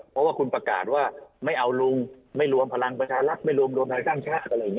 เพราะว่าคุณประกาศว่าไม่เอาลุงไม่รวมพลังประชารัฐไม่รวมรวมไทยสร้างชาติอะไรอย่างนี้